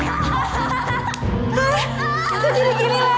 itu jadi kini lagi